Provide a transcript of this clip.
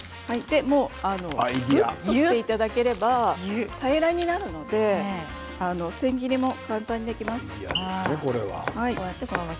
ぎゅっとしていただければ平らになるので千切りも簡単にできます。